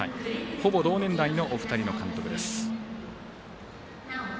ほぼ同年代のお二人の監督です。